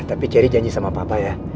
tapi ceri janji sama papa ya